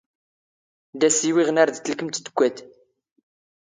ⴷⴰ ⵙⵙⵉⵡⵉⵖⵏ ⴰⵔ ⴷ ⵜⵍⴽⵎ ⵜⴷⴳⴳⵯⴰⵜ.